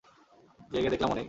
জেগে দেখলাম ও নেই।